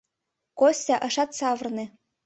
Костя ышат савырне.